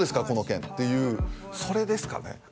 この件」っていうそれですかね